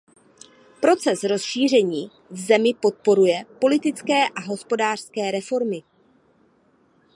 Proces rozšíření v zemi podporuje politické a hospodářské reformy.